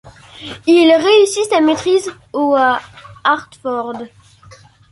Il réussit sa maîtrise au à Hartford.